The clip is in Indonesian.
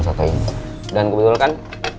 soto ini dan kebetulan